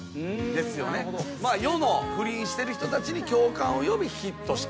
世の不倫してる人たちに共感を呼びヒットした。